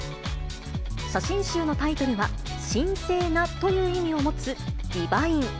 写真集のタイトルは、神聖なという意味を持つディヴァイン。